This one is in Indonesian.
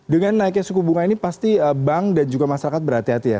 dengan naiknya suku bunga ini pasti bank dan juga masyarakat berhati hati ya